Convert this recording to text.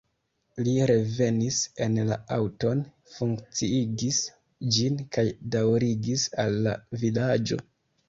Li revenis en la aŭton, funkciigis ĝin kaj daŭrigis al la vilaĝo.